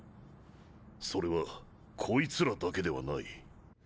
それはこいつらだけではない。